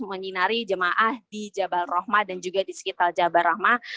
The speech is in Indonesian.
menyinari jemaah di jabal rahmah dan juga di sekitar jabal rahmah